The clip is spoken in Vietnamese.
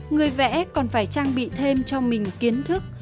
người vẽ còn phải trang bị thêm cho mình kiến thức